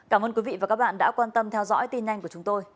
cảm ơn quý vị và các bạn đã quan tâm theo dõi tin nhanh của chúng tôi